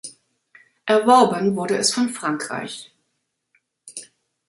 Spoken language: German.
Erworben wurde es von Frankreich.